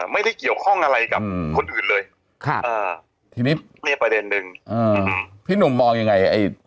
ไม่ได้เกี่ยวข้องอะไรกับคนอื่นเลย